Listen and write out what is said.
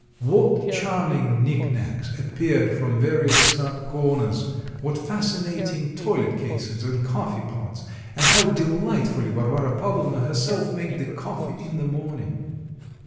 What charming knick knacks appeared from various snug corners, what fascinating toilet cases and coffee pots, and how delightfully Varvara Pavlovna herself made the coffee in the morning!